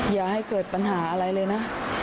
อย่าให้เกิดปัญหาอะไรเลยนะ